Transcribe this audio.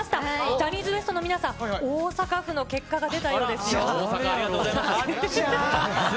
ジャニーズＷＥＳＴの皆さん、大阪府の結果が出たようで大阪、ありがとうございます。